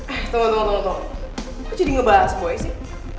eh tunggu tunggu tunggu kok jadi ngebahas boy sih